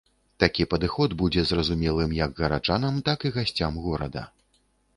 Такі падыход будзе зразумелым як гараджанам, так і гасцям горада.